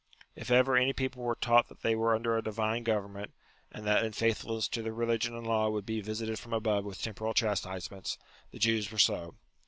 If ever any people were taught that they were under a divine government, and that unfaithfulness to their religion and law would be visited from above with temporal chastisements, the Jews were so.